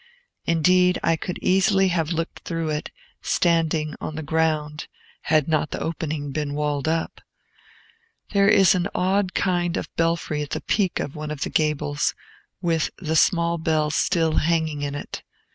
Indeed, I could easily have looked through it, standing on the ground, had not the opening been walled up. There is an odd kind of belfry at the peak of one of the gables, with the small bell still hanging in it.